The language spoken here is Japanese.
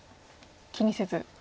気にせず。